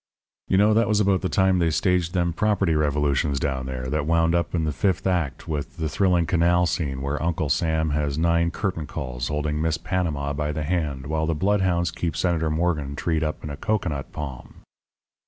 "You know that was about the time they staged them property revolutions down there, that wound up in the fifth act with the thrilling canal scene where Uncle Sam has nine curtain calls holding Miss Panama by the hand, while the bloodhounds keep Senator Morgan treed up in a cocoanut palm.